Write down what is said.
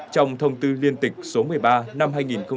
trong thông tư liên tịch số một mươi ba năm hai nghìn một mươi